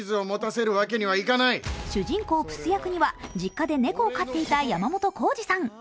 主人公プス役には実家で猫を飼っていた山本耕史さん。